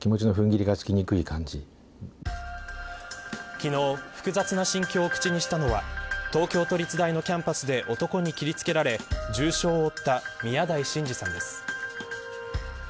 昨日、複雑な心境を口にしたのは東京都立大のキャンパスで男に切りつけられ重傷を負った宮台真司さんです。